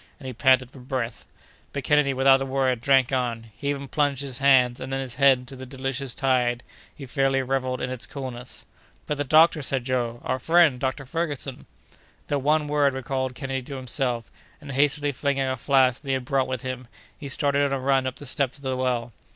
and he panted for breath. But Kennedy, without a word, drank on. He even plunged his hands, and then his head, into the delicious tide—he fairly revelled in its coolness. "But the doctor?" said Joe; "our friend, Dr. Ferguson?" That one word recalled Kennedy to himself, and, hastily filling a flask that he had brought with him, he started on a run up the steps of the well.